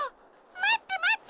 まってまって！